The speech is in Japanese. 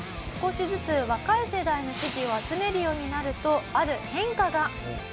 少しずつ若い世代の支持を集めるようになるとある変化が。